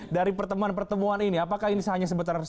dari pertemuan pertemuan ini apakah ini hanya sekedar dialog